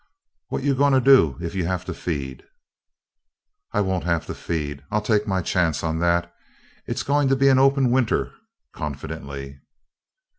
What you goin' to do if you have to feed?" "I won't have to feed; I'll take my chance on that. It's goin' to be an open winter," confidently.